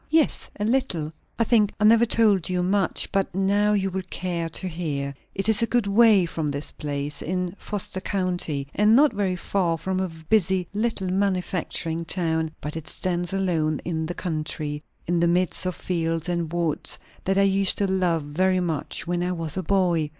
"Yes, a little." "I think I never told you much; but now you will care to hear. It is a good way from this place, in Foster county, and not very far from a busy little manufacturing town; but it stands alone in the country, in the midst of fields and woods that I used to love very much when I was a boy.